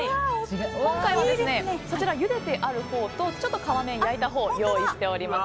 今回は、ゆでてあるほうとちょっと皮面焼いたほうを用意しております。